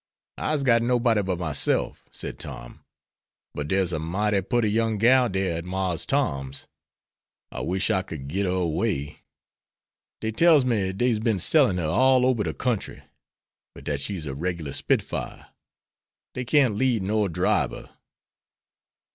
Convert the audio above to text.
"I'se got nobody but myself," said Tom; "but dere's a mighty putty young gal dere at Marse Tom's. I wish I could git her away. Dey tells me dey's been sellin' her all ober de kentry; but dat she's a reg'lar spitfire; dey can't lead nor dribe her."